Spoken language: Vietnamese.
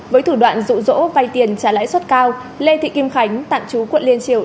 với thủ đoạn rụ rỗ vay tiền trả lãi suất cao lê thị kim khánh tạm chú quận liên triều